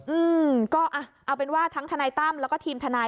อืมก็อ่ะเอาเป็นว่าทั้งทนายตั้มแล้วก็ทีมทนาย